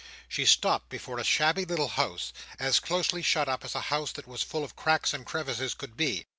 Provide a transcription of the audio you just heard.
She stopped before a shabby little house, as closely shut up as a house that was full of cracks and crevices could be.